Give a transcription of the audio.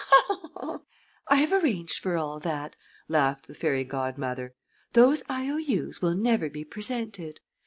"I have arranged for all that," laughed the fairy godmother. "Those I. O. U.'s will never be presented.